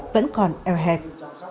vẫn còn eo hẹp